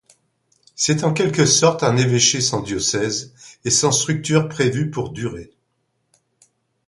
C'est en quelque sorte un évêché sans diocèse et sans structure prévue pour durer.